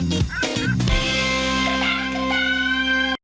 เผ้าเวลา